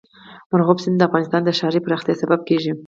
مورغاب سیند د افغانستان د ښاري پراختیا سبب کېږي.